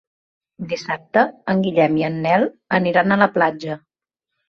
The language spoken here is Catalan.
Dissabte en Guillem i en Nel aniran a la platja.